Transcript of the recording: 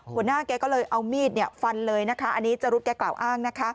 หัวหน้าแกก็เลยเอามีดฟันเลยนะคะอันนี้จรุธแกกล่าวอ้างนะคะ